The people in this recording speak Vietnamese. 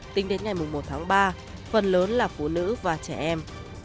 tính đến ngày một tháng ba phần lớn là phụ nữ và trẻ em